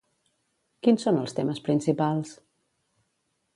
Quins són els temes principals?